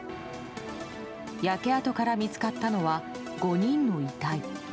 焼け跡から見つかったのは５人の遺体。